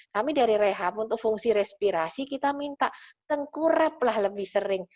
kami dari rehab untuk fungsi respirasi kita minta tengkurep lah lebih sering